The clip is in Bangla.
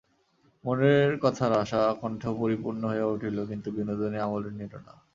মনের কথায় আশা আকণ্ঠ পরিপূর্ণ হইয়া উঠিল, কিন্তু বিনোদিনী আমল দিল না।